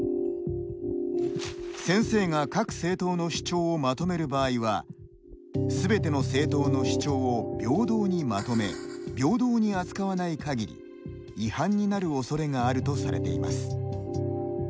先生が各政党の主張をまとめる場合はすべての政党の主張を平等にまとめ平等に扱わないかぎり違反になるおそれがあるとされています。